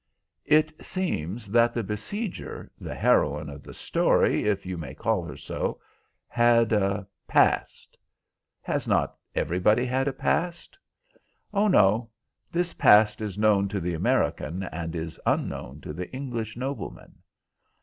"It seems that the besieger, the heroine of the story if you may call her so, had a past." "Has not everybody had a past?" "Oh no. This past is known to the American and is unknown to the English nobleman."